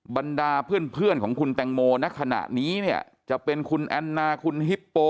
บรรดาเพื่อนของคุณแตงโมณขณะนี้เนี่ยจะเป็นคุณแอนนาคุณฮิปโป